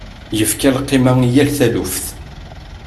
Yefka lqima i yal taluft.